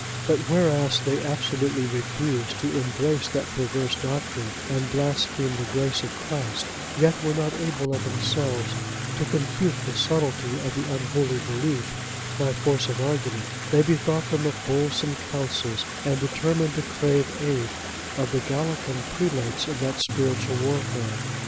But whereas they absolutely refused to embrace that perverse doctrine, and blaspheme the grace of Christ, yet were not able of themselves to confute the subtilty of the unholy belief by force of argument, they bethought them of wholesome counsels and determined to crave aid of the Gallican prelates in that spiritual warfare.